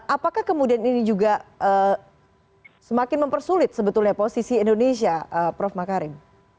apakah kemudian ini juga semakin mempersulit sebetulnya posisi indonesia prof makarim